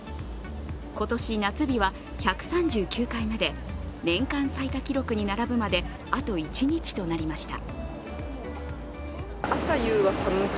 今年、夏日は１３９回目で年間最多記録に並ぶまであと１日となりました。